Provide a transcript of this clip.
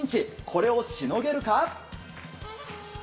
これをしのげるか。